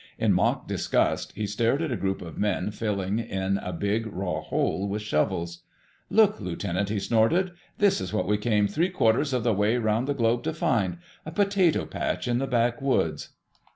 In mock disgust, he stared at a group of men filling in a big, raw hole with shovels. "Look, Lieutenant!" he snorted. "This is what we came three quarters of the way around the globe to find—a potato patch in the back woods!"